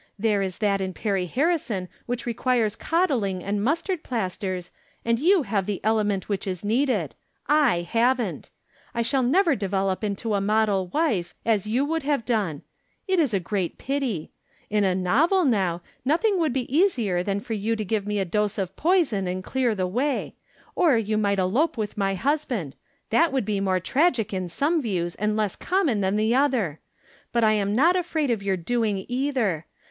There is that in Perry Harrison which requires coddling and mustard plasters, and you have the element which is needed. I haven't. I shall never develop into the model wife, as you would have done. It is a great pity. In a novel, now, nothing would be easier than for you to give me a dose of poison and clear the way ; From Different Standpoints. 197 or you might elope with my husband — that would be more tragic in some views, and less common than the other. But I am not afraid of your doing either.